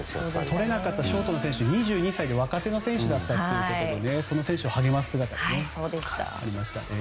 とれなかったショートの選手、２２歳で若手の選手だったということでその選手を励ます姿もありましたね。